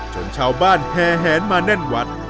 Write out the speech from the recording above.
จนชาวบ้านแห่มาแน่นวัด